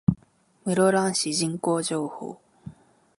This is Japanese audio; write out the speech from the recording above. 室蘭市人口情報